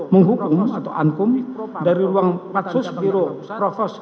menghukum atau ankum dari ruang empat sus biro profos